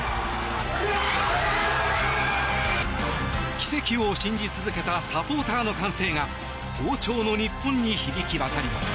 奇跡を信じ続けたサポーターの歓声が早朝の日本に響き渡りました。